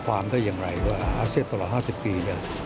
อาเซียตลอด๕๐ปี